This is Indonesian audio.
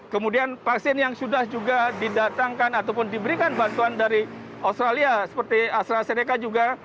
kemudian vaksin yang sudah juga didatangkan ataupun diberikan bantuan dari australia seperti astrazeneca juga